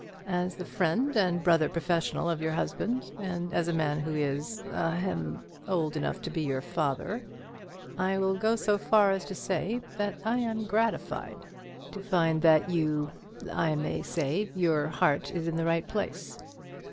"As the friend and brother professional of your husband, and as a man who is ahem! old enough to be your father, I will go so far as to say that I am gratified to find that you I may say, your heart is in the right place.